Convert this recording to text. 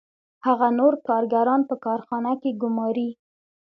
هغه نور کارګران په کارخانه کې ګوماري